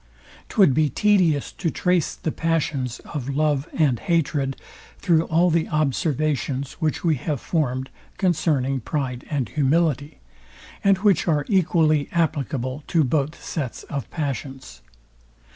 Twould be tedious to trace the passions of love and hatred, through all the observations which we have formed concerning pride and humility, and which are equally applicable to both sets of passions.